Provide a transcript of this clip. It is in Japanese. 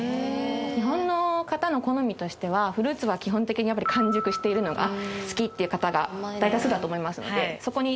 日本の方の好みとしてはフルーツは基本的にやっぱり完熟しているのが好きっていう方が大多数だと思いますのでそこに。